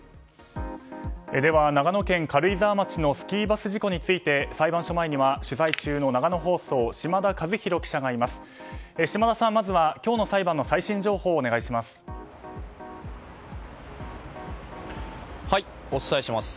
では長野県軽井沢町のスキーバス事故について裁判所前には、取材中の長野放送、嶋田一宏記者がいます。